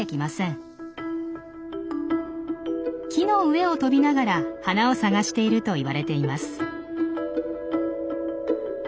木の上を飛びながら花を探しているといわれています。